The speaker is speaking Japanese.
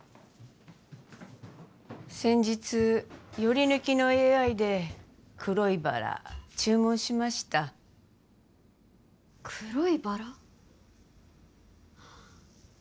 先日ヨリヌキのＡＩで黒いバラ注文しました黒いバラ？